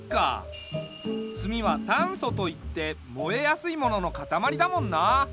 炭は炭素といって燃えやすいもののかたまりだもんな。